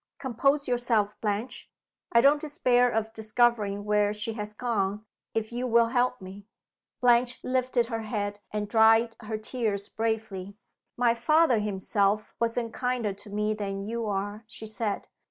Compose yourself, Blanche. I don't despair of discovering where she has gone, if you will help me." Blanche lifted her head, and dried her tears bravely. "My father himself wasn't kinder to me than you are," she said.